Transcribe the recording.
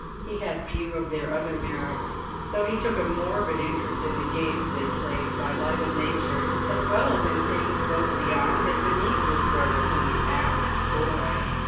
He had few of their other merits, though he took a morbid interest in the games they played by light of nature, as well as in things both beyond and beneath his brothers and the average boy.